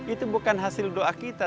itu bukan hasil doa kita